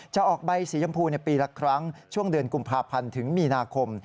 ออกใบสียำพูปีละครั้งช่วงเดือนกุมภาพันธ์ถึงมีนาคม